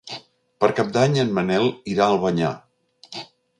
Per Cap d'Any en Manel irà a Albanyà.